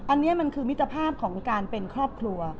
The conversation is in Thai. อันนี้มันคือมิตรภาพของการเป็นครอบครัว